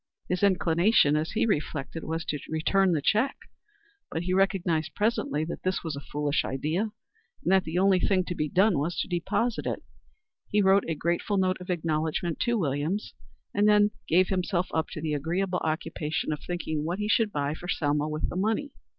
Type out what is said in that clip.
His inclination, as he reflected, was to return the check, but he recognized presently that this was a foolish idea, and that the only thing to be done was to deposit it. He wrote a grateful note of acknowledgment to Williams, and then gave himself up to the agreeable occupation of thinking what he should buy for Selma with the money.